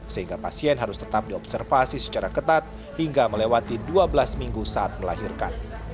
sehingga pasien harus tetap diobservasi secara ketat hingga melewati dua belas minggu saat melahirkan